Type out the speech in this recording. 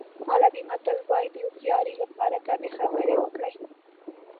عربي متل وایي د هوښیارۍ لپاره کمې خبرې وکړئ.